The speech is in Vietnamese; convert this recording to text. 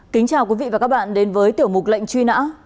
kính chào quý vị và các bạn đến với tiểu mục lệnh truy nã